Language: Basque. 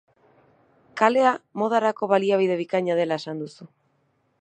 Kalea modarako baliabide bikaina dela esan duzu.